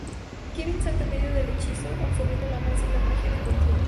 Kevin salta en medio del hechizo, absorbiendo la maza y la magia que contiene.